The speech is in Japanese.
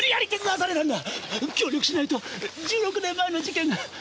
協力しないと１６年前の事件！